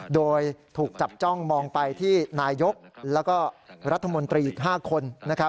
โดยถูกจับจ้องมองไปที่นายกแล้วก็รัฐมนตรีอีก๕คน